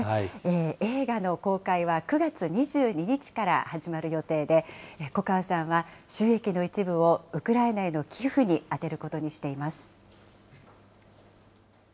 映画の公開は９月２２日から始まる予定で、粉川さんは、収益の一部をウクライナへの寄付に充てることにしています。